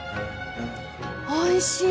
おいしい。